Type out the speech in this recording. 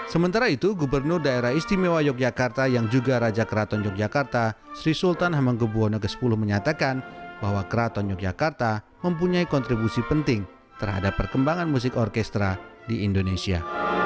sementara itu gubernur daerah istimewa yogyakarta yang juga raja keraton yogyakarta sri sultan hamenggebuwono x menyatakan bahwa keraton yogyakarta mempunyai kontribusi penting terhadap perkembangan musik orkestra di indonesia